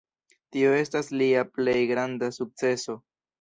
Tio estas lia plej granda sukceso.